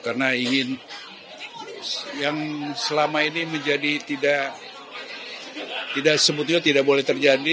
karena ingin yang selama ini menjadi tidak sebetulnya tidak boleh terjadi